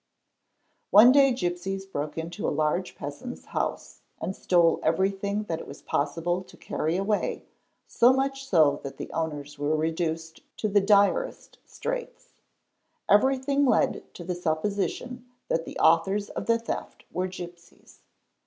One day gipsies broke into a large peasant's house and stole every thing that it was possible to carry away, so much so that the owners were reduced to the direst straits. Hverything led to the supposition that the authors of the theft were gipsies.